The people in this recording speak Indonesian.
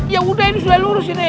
ya udah ini sudah lurus ini